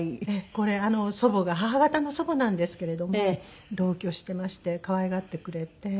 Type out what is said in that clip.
これ祖母が母方の祖母なんですけれども同居してまして可愛がってくれて。